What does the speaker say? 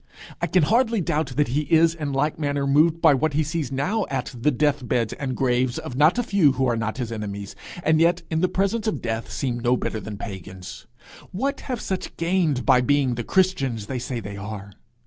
I can hardly doubt that he is in like manner moved by what he sees now at the death beds and graves of not a few who are not his enemies, and yet in the presence of death seem no better than pagans. What have such gained by being the Christians they say they are?